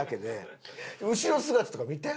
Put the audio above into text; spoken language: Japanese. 後ろ姿とか見て。